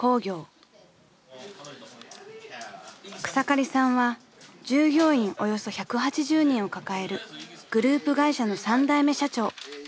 ［草刈さんは従業員およそ１８０人を抱えるグループ会社の３代目社長］